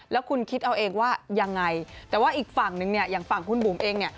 แล้วคุณคิดเอาเองว่ายังไงแต่ว่าอีกฝั่งนึงเนี่ยอย่างฝั่งคุณบุ๋มเองเนี่ย